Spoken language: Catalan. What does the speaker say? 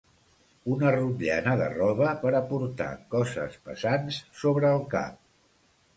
Una rotllana de roba per a portar coses pesants sobre el cap.